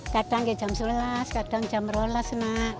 kadang jam seles kadang jam rolas nak